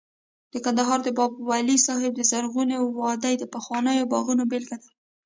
د کندهار د بابا ولی صاحب د زرغونې وادۍ د پخوانیو باغونو بېلګه ده